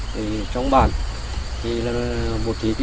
thì trong bàn thì là một thí tuyến